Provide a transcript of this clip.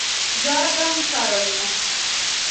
Jordan Caroline